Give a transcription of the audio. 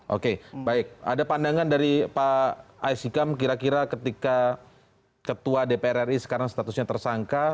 oke baik ada pandangan dari pak aisyikam kira kira ketika ketua dpr ri sekarang statusnya tersangka